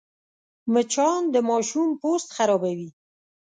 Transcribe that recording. مچان د ماشوم پوست خرابوي